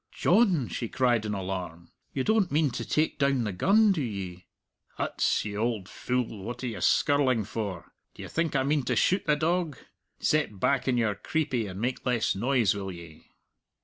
"John!" she cried in alarm, "you don't mean to take down the gun, do ye?" "Huts, you auld fule, what are you skirling for? D'ye think I mean to shoot the dog? Set back on your creepie and make less noise, will ye?"